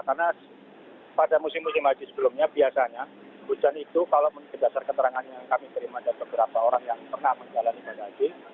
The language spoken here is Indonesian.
karena pada musim musim haji sebelumnya biasanya hujan itu kalau berdasar keterangan yang kami terima dari beberapa orang yang pernah mengalami haji